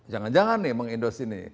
jangan jangan nih meng indos ini